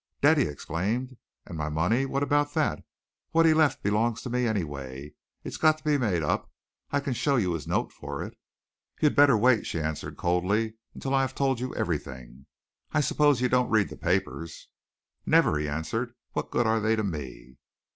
"Dead?" he exclaimed. "And my money what about that? What he left belongs to me, anyway. It's got to be made up. I can show you his note for it." "You had better wait," she answered coldly, "Until I have told you everything. I suppose you don't read the papers?" "Never," he answered. "What good are they to me?"